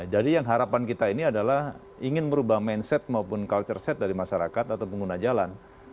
jadi yang harapan kita ini adalah ingin merubah mindset maupun culture set dari masyarakat atau pengguna jalan